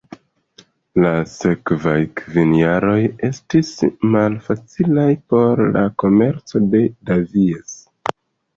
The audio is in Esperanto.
La sekvaj kvin jaroj estis malfacilaj por la komerco de Davies.